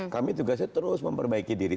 kami tugasnya terus memperbaiki diri